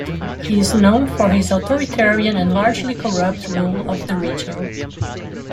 He is known for his authoritarian and largely corrupt rule of the region.